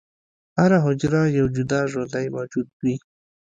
هره حجره یو جدا ژوندی موجود وي.